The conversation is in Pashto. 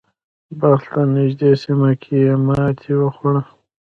بلخ ته نږدې سیمه کې یې ماتې وخوړه.